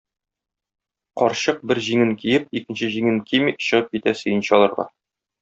Карчык, бер җиңен киеп, икенче җиңен кими, чыгып китә сөенче алырга.